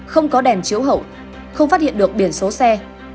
không có đèn chiếu hậu không phát hiện được biển số xe